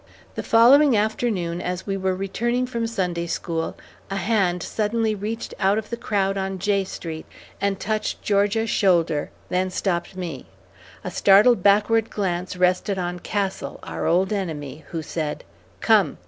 The following afternoon, as we were returning from Sunday school, a hand suddenly reached out of the crowd on J Street and touched Georgia's shoulder, then stopped me. A startled backward glance rested on Castle, our old enemy, who said, "Come.